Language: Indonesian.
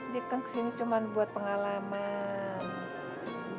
dia kan kesini cuma buat pengalaman